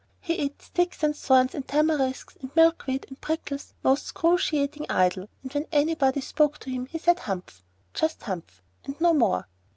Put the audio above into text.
So he ate sticks and thorns and tamarisks and milkweed and prickles, most 'scruciating idle; and when anybody spoke to him he said 'Humph!' Just 'Humph!' and no more.